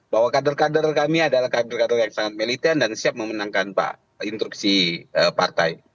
bahwa kader kader kami adalah kader kader yang sangat militer dan siap memenangkan instruksi partai